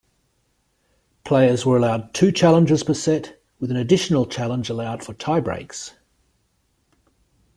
Players were allowed two challenges per set, with an additional challenge allowed for tiebreaks.